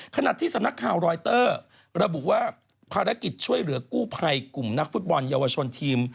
ขณะที่สำนักข่าวรอยเตอร์ระบุว่าภารกิจช่วยเหลือกู้ภัยกลุ่มนักฟุตบอลเยาวชนทีม